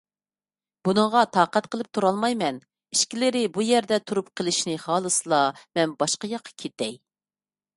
بۇنىڭغا تاقەت قىلىپ تۇرالمايمەن، ئىككىلىرى بۇ يەردە تۇرۇپ قېلىشنى خالىسىلا، مەن باشقا ياققا كېتەي!